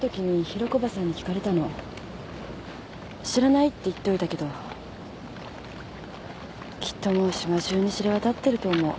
知らないって言っておいたけどきっともう島じゅうに知れ渡ってると思う。